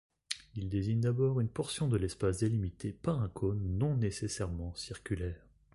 Il désigne d'abord une portion de l’espace délimitée par un cône non nécessairement circulaire.